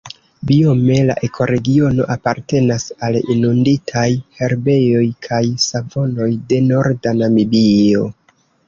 Biome la ekoregiono apartenas al inunditaj herbejoj kaj savanoj de norda Namibio.